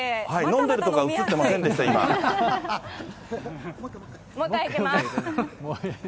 飲んでるところが映っていませんでした、もう一回いきます。